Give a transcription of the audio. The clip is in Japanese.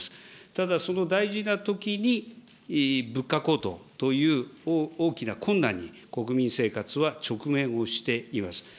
ただ、その大事なときに物価高騰という大きな困難に、国民生活は直面をしています。